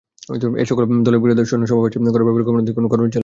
এসকল দলের বিরুদ্ধে সৈন্য সমাবেশ করার ব্যাপারে গভর্নরদের কোন গরজ ছিল না।